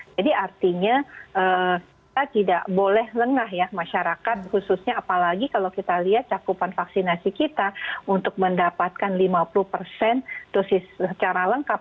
jadi artinya kita tidak boleh lengah ya masyarakat khususnya apalagi kalau kita lihat cakupan vaksinasi kita untuk mendapatkan lima puluh persen secara lengkap